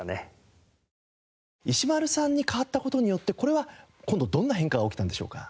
石丸さんに代わった事によってこれは今度どんな変化が起きたんでしょうか？